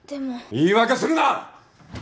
言い訳するな！